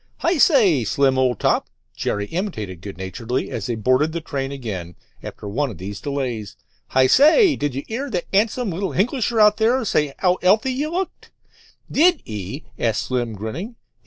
"Hi say, Slim, old top," Jerry imitated good naturedly as they boarded the train again after one of these delays. "Hi say, did you 'ear that 'andsome little Hinglisher out there say as 'ow 'ealthy you looked?" "Did 'e?" asked Slim, grinning.